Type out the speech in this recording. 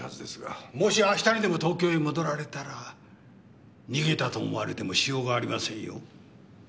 もし明日にでも東京へ戻られたら逃げたと思われてもしようがありませんよ。